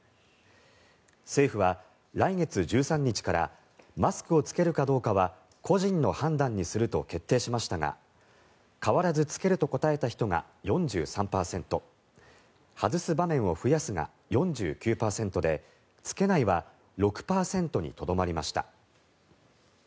政府は来月１３日からマスクを着けるかどうかは個人の判断にすると決定しましたが変わらず着けると答えた人が４３％外す場面を増やすが４９％で着けないは６％にとどまりました。